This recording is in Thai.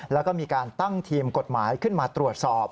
แล้วก็มีการตั้งทีมกฎหมายขึ้นมาตรวจสอบ